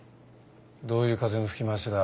どういう風の吹き回しだ？